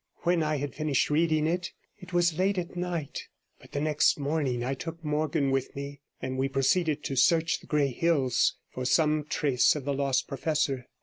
When I had finished reading it, it was late at night, but the next morning I took Morgan with me, and we proceeded to search the Grey Hills for some trace of the lost professor.